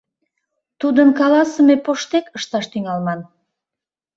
Тудын каласыме поштек ышташ тӱҥалман.